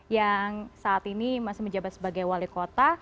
yang saat ini masih menjabat sebagai wali kota